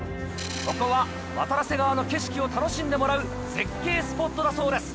ここは渡良瀬川の景色を楽しんでもらう絶景スポットだそうです。